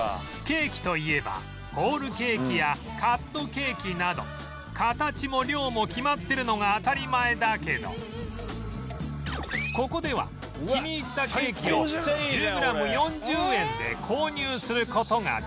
ケーキといえばホールケーキやカットケーキなど形も量も決まってるのが当たり前だけどここでは気に入ったケーキを１０グラム４０円で購入する事ができる